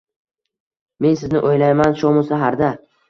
Men sizni o’ylayman shomu saharda